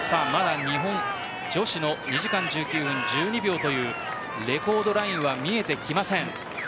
日本女子の２時間１９分１２秒というレコードラインは見えてきません。